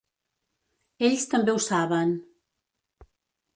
Ells també ho saben.